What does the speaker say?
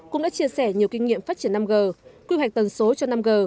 cũng đã chia sẻ nhiều kinh nghiệm phát triển năm g quy hoạch tần số cho năm g